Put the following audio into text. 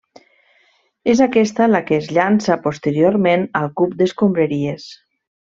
És aquesta la que es llança posteriorment al cub d'escombraries.